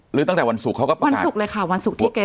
ตั้งแต่วันศุกร์เขาก็ไปวันศุกร์เลยค่ะวันศุกร์ที่เก๊